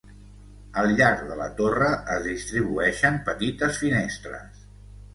Al llarg de la torre es distribueixen petites finestres.